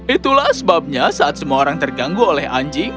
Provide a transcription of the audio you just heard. itulah sebabnya saat semua orang terganggu oleh anjing